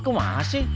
kok mas sih